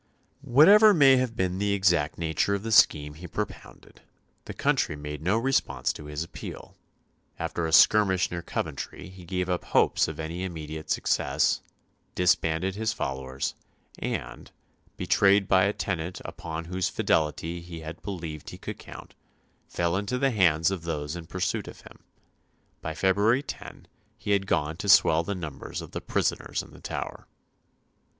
Whatever may have been the exact nature of the scheme he propounded, the country made no response to his appeal; after a skirmish near Coventry he gave up hopes of any immediate success, disbanded his followers, and, betrayed by a tenant upon whose fidelity he had believed he could count, fell into the hands of those in pursuit of him. By February 10 he had gone to swell the numbers of the prisoners in the Tower.